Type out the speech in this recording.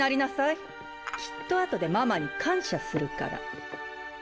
きっと後でママに感謝するから。